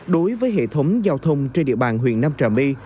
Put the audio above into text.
đối với hệ thống giao thông trên địa bàn huyện nam trà my